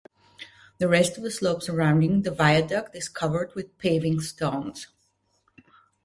The rest of the slope surrounding the viaduct is covered with paving stones.